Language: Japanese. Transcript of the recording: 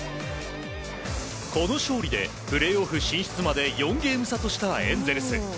この勝利でプレーオフ進出まで４ゲーム差としたエンゼルス。